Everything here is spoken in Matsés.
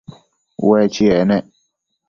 Ue chiec nec